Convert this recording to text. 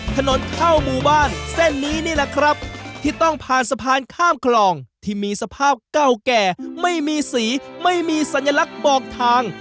ถนนเข้าหมู่บ้านเส้นนี้นี่แหละครับที่ต้องผ่านสะพานข้ามคลองที่มีสภาพเก่าแก่ไม่มีสีไม่มีสัญลักษณ์บอกทาง